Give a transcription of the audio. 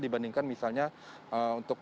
dibandingkan misalnya untuk